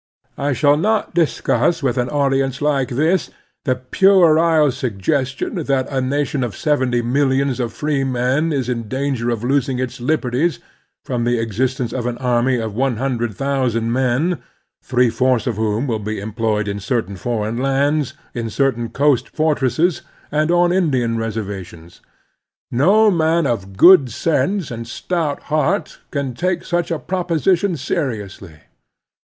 I shall not discuss with an audience like this the puerile suggestion that a nation of seventy millions of freemen is in danger of losing its liber ties from the existence of an army of one himdred thousand men, three fourths of whom will be em 6 The Strenuous Life 15 ployed in certain foreign islands, in certain coast fortresses, and on Indian reservations! No man of good sense and stout heart can talce such a proposition seriously.